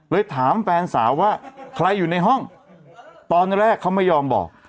ถามแฟนสาวว่าใครอยู่ในห้องตอนแรกเขาไม่ยอมบอก